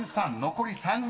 残り３人］